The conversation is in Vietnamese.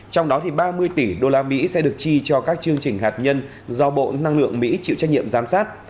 trong đó ba mươi tỷ usd sẽ được chi cho các chương trình hạt nhân do bộ năng lượng mỹ chịu trách nhiệm giám sát